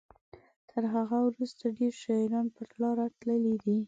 تر هغه وروسته ډیر شاعران پر لاره تللي دي.